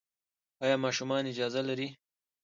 ایا ماشومان اجازه لري؟